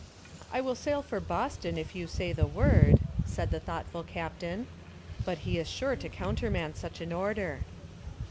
"I will sail for Boston if you say the word," said the thoughtful captain. "But he is sure to countermand such an order."